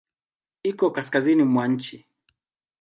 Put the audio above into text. Iko kaskazini mwa nchi.